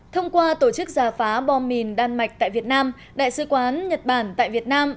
thông qua tổ chức giả phá bom mìn đan mạch tại việt nam đại sứ quán nhật bản tại việt nam